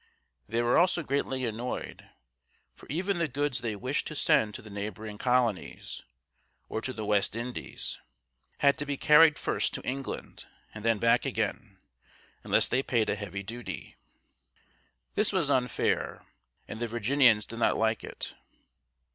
They were also greatly annoyed, for even the goods they wished to send to the neighboring colonies, or to the West Indies, had to be carried first to England and then back again, unless they paid a heavy duty. This was unfair, and the Virginians did not like it.